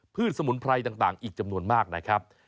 สมุนไพรต่างอีกจำนวนมากนะครับ